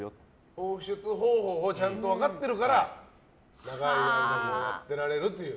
放出方法をちゃんと分かってるから長い間やってられるという。